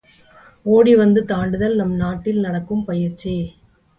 ஓடிவந்து தாண்டுதல் நம் நாட்டில் நடக்கும் பயிற்சி.